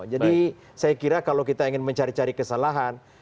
jadi saya kira kalau kita ingin mencari cari kesalahan